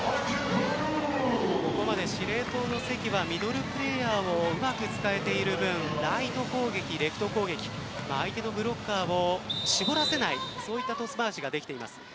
ここまで司令塔の関はミドルプレーヤーをうまく使えている分ライト攻撃、レフト攻撃相手のブロッカーを絞らせないそういったトス回しができています。